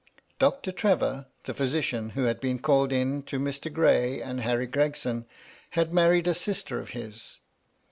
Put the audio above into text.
Doctor Trevor, the pbysidan who had been called in to Mr. Gray and Harry Gregson, had married a sister of his.